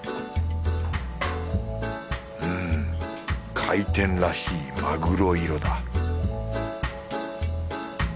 うん回転らしいマグロ色だ